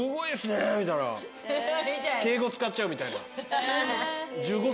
「敬語使っちゃう」みたいな。